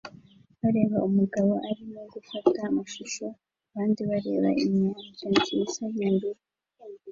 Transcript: bareba umugabo arimo gufata amashusho abandi bareba inyanja nziza yubururu